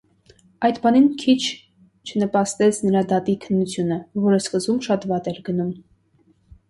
Այդ բանին քիչ չնպաստեց նրա դատի քննությունը, որ սկզբում շատ վատ էր գնում.